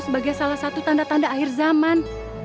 sebagai salah satu tanda tanda akhir zaman